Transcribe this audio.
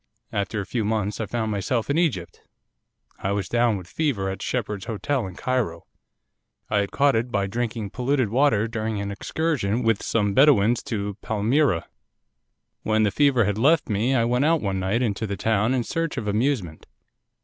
After a few months I found myself in Egypt, I was down with fever at Shepheard's Hotel in Cairo. I had caught it by drinking polluted water during an excursion with some Bedouins to Palmyra. 'When the fever had left me I went out one night into the town in search of amusement.